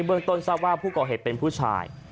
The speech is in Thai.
เมืองต้นทราบว่าผู้ก่อเหตุเป็นผู้ชาย